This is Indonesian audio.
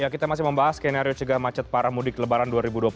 kita masih membahas skenario cegah macet para mudik lebaran dua ribu dua puluh satu